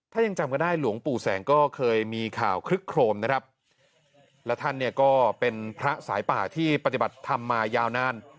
ถ้ายังจำก็ได้หลวงปู่แสงก็เคยมีข่าวคลึกโครมนะครับและท่านเนี่ยก็เป็นพระสายป่าที่ปฏิบัติธรรมมายาวนาน